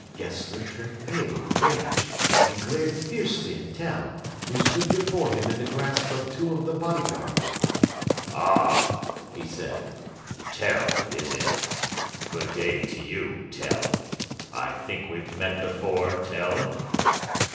Gessler turned pale with rage, and glared fiercely at Tell, who stood before him in the grasp of two of the bodyguard. "Ah," he said, "Tell, is it? Good day to you, Tell. I think we've met before, Tell?